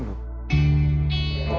bukan sama rara